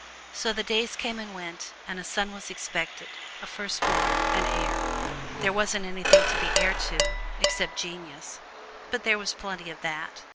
So the days came and went, and a son was expected a firstborn an heir. There wasn't anything to be heir to except genius, but there was plenty of that.